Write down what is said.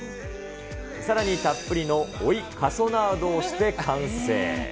さらにたっぷりの追いカソナードをして完成。